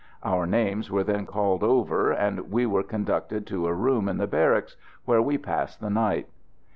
Our names were then called over, and we were conducted to a room in the barracks where we passed the night.